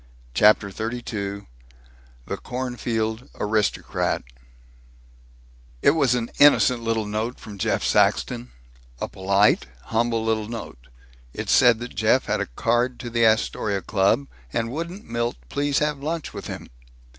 CHAPTER XXXII THE CORNFIELD ARISTOCRAT It was an innocent little note from Jeff Saxton; a polite, humble little note; it said that Jeff had a card to the Astoria Club, and wouldn't Milt please have lunch with him?